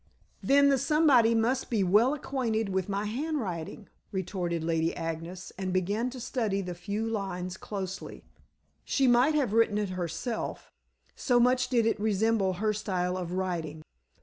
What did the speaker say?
"Then the somebody must be well acquainted with my handwriting," retorted Lady Agnes, and began to study the few lines closely. She might have written it herself, so much did it resemble her style of writing.